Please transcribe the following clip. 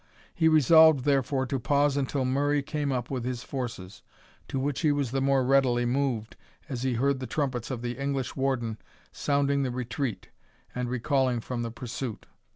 He resolved, therefore, to pause until Murray came up with his forces, to which he was the more readily moved, as he heard the trumpets of the English Warden sounding the retreat, and recalling from the pursuit.